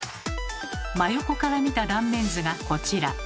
真横から見た断面図がこちら。